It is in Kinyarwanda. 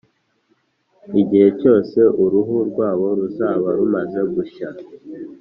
igihe cyose uruhu rwabo ruzaba rumaze gushya